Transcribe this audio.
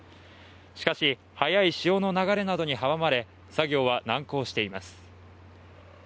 しかし、速い潮の流れなどに阻まれ作業は難航しています。